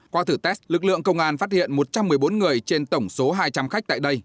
qua thử test lực lượng công an phát hiện một trăm một mươi bốn người trên tổng số hai trăm linh khách tại đây